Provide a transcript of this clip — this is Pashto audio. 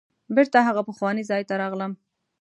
بیرته هغه پخواني ځای ته راغلم.